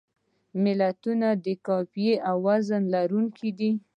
متلونه د قافیې او وزن لرونکي دي